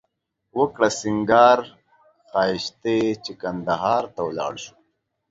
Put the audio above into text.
وکړه سینگار ښایښتې چې قندهار ته ولاړ شو